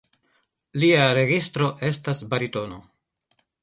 Lia registro estas baritono.